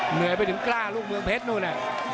เหนื่อยไปถึงกล้าลูกเมืองเพชรนู่น